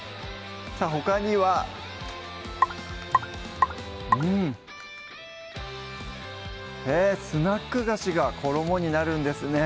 さぁほかにはうんへぇスナック菓子が衣になるんですね